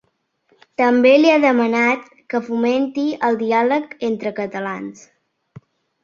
També li ha demanat que fomenti el diàleg entre catalans.